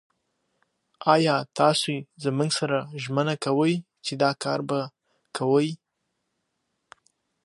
تاریخ د خپل وخت مظهور دی.